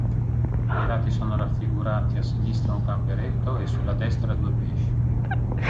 Ai lati sono raffigurati, a sinistra un gamberetto e sulla destra due pesci.